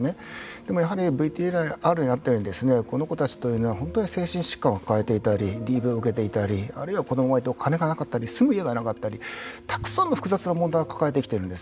でも、やはりＶＴＲにあったようにこの子たちというのは本当に精神疾患を抱えていたりＤＶを受けていたりお金がなかったり住む家がなかったりたくさんの複雑な問題を抱えてきているんです。